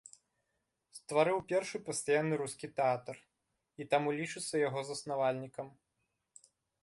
Стварыў першы пастаянны рускі тэатр, і таму лічыцца яго заснавальнікам.